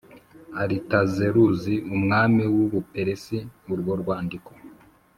Aritazeruzi umwami w u Buperesi urwo rwandiko